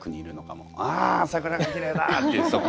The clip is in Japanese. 「あ桜がきれいだ！」っていう人が。